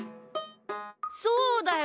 そうだよ！